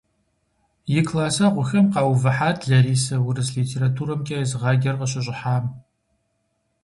И классэгъухэм къаувыхьат Ларисэ, урыс литературэмкӀэ езыгъаджэр къыщыщӀыхьам.